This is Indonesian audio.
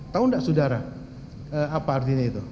tahu tidak saudara apa artinya itu